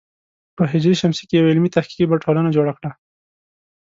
په ه ش کې یوه علمي تحقیقي ټولنه جوړه کړه.